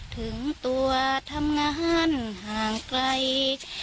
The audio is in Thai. ถึงตัวทำงานห่างไกล